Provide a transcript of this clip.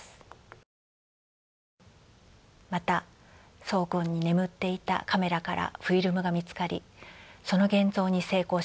また倉庫に眠っていたカメラからフィルムが見つかりその現像に成功しました。